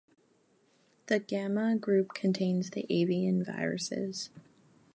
The Gamma group contains the avian viruses.